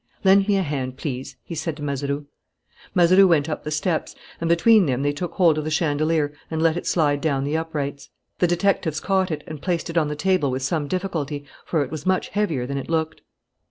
"Lend me a hand, please," he said to Mazeroux. Mazeroux went up the steps; and between them they took hold of the chandelier and let it slide down the uprights. The detectives caught it and placed it on the table with some difficulty, for it was much heavier than it looked.